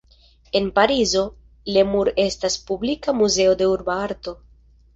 En Parizo, Le Mur estas publika muzeo de urba arto.